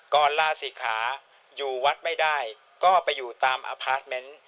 ลาศิกขาอยู่วัดไม่ได้ก็ไปอยู่ตามอพาร์ทเมนต์